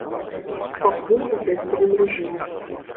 Пакуль у тэставым рэжыме.